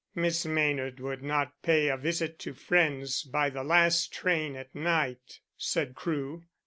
"Miss Maynard would not pay a visit to friends by the last train at night," said Crewe.